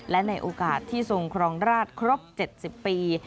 และในโอกาสที่ทรงครองราชครบ๗๐ปี